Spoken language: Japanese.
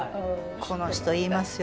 この人言いますよ